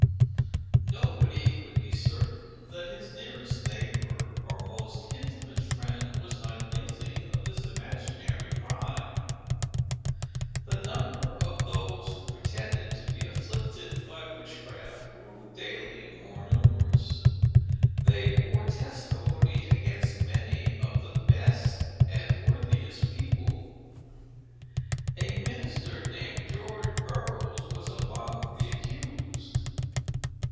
Nobody could be certain that his nearest neighbor, or most intimate friend, was not guilty of this imaginary crime. The number of those who pretended to be afflicted by witchcraft, grew daily more numerous; and they bore testimony against many of the best and worthiest people. A minister, named George Burroughs, was among the accused.